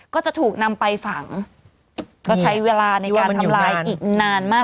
ก็จะถูกนำไปฝังก็ใช้เวลาในการทำลายอีกนานมาก